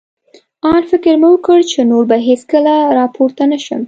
آن فکر مې وکړ، چې نور به هېڅکله را پورته نه شم.